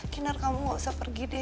kinar kamu gak usah pergi deh